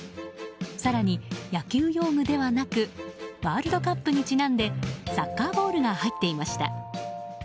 更に野球用具ではなくワールドカップにちなんでサッカーボールが入っていました。